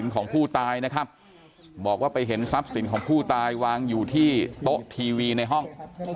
ก็ไปเห็นทรัพย์สินของผู้ตายวางอยู่ที่โต๊ะทีวีในห้อง